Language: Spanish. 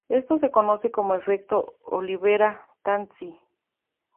Esto se conoce como efecto Olivera-Tanzi.